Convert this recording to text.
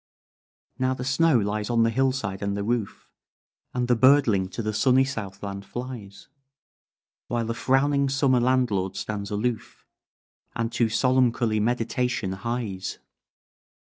"Now the snow lies on the hill side and the roof, And the birdling to the sunny southland flies; While the frowning summer landlord stands aloof, And to solemncholy meditation hies.